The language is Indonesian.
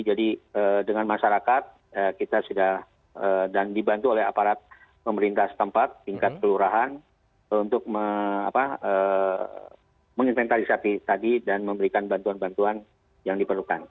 jadi dengan masyarakat kita sudah dan dibantu oleh aparat pemerintah setempat tingkat kelurahan untuk menginventarisasi tadi dan memberikan bantuan bantuan yang diperlukan